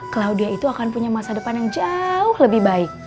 claudia itu akan punya masa depan yang jauh lebih baik